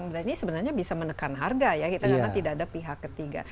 dan ini sebenarnya bisa menekan harga ya karena tidak ada pihak ketiga